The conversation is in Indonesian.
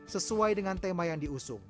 sesuai dengan tema yang diusung